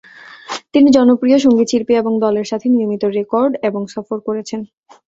তিনি জনপ্রিয় সঙ্গীতশিল্পী এবং দলের সাথে নিয়মিত রেকর্ড এবং সফর করেছেন।